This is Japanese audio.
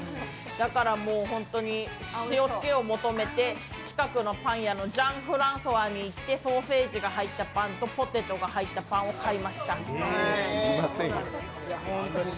だからもう本当に塩っけを求めて近くのパン屋のＪＥＡＮＦＲＡＮＣＯＩＳに行って、ソーセージの入ったパンとポテトが入ったパンを買いました。